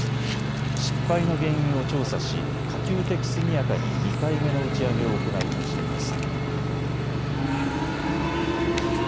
失敗の原因を調査し可及的速やかに２回目の打ち上げを行うとしています。